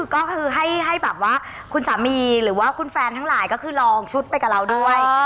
ก็คือให้แบบว่าคุณสามีหรือว่าคุณแฟนทั้งหลายก็คือลองชุดไปกับเราด้วย